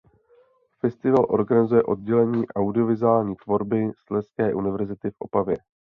Festival organizuje oddělení audiovizuální tvorby Slezské univerzity v Opavě.